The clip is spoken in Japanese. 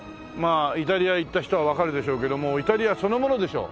イタリア行った人はわかるでしょうけどもうイタリアそのものでしょう。